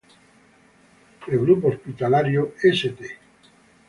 El grupo hospitalario "St.